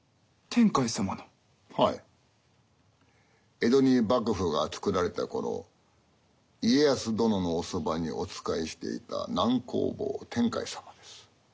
江戸に幕府が作られた頃家康殿のおそばにお仕えしていた南光坊天海様です。